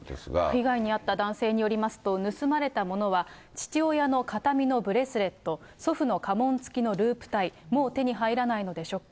被害に遭った男性によりますと、盗まれたものは、父親の形見のブレスレット、祖父の家紋付きのループタイ、もう手に入らないのでショック。